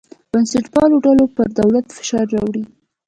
بنسټپالو ډلو پر دولت فشار راوړی.